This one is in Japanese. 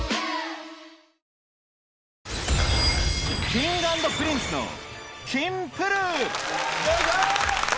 Ｋｉｎｇ＆Ｐｒｉｎｃｅのよいしょ！